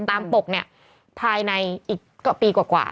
ปกเนี่ยภายในอีกปีกว่า